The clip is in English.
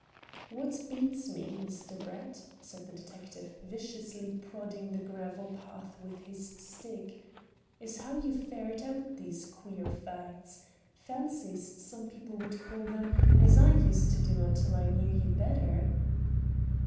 "What beats me, Mr. Brett," said the detective, viciously prodding the gravel path with his stick, "is how you ferret out these queer facts fancies some people would call them, as I used to do until I knew you better."